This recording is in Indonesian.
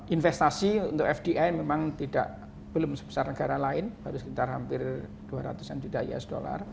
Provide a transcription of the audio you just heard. investasi untuk fdi memang belum sebesar negara lain baru sekitar hampir dua ratus an juta usd